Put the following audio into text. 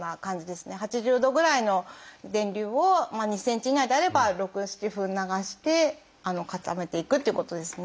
８０度ぐらいの電流を２ｃｍ以内であれば６７分流して固めていくっていうことですね。